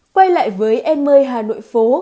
quay lại với em ơi hà nội phố